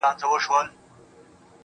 د حمزه هنري جمالیاتي حس جوتوي